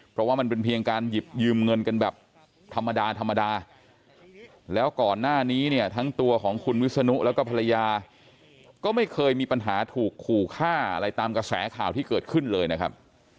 เพราะว่ามันเป็นเพียงการหยิบยืมเงินกันแบบธรรมดาธรรมดาแล้วก่อนหน้านี้เนี่ยทั้งตัวของคุณวิศนุแล้วก็ภรรยาก็ไม่เคยมีปัญหาถูกขู่ฆ่าอะไรตามกระแสข่าวที่เกิดขึ้นเลยนะครับ